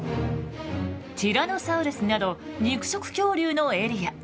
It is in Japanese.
ティラノサウルスなど肉食恐竜のエリア。